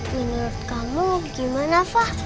menurut kamu gimana fah